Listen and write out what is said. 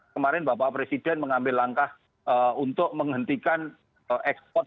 kemarin bapak presiden mengambil langkah untuk menghentikan ekspor